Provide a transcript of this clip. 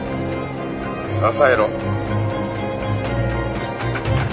支えろ。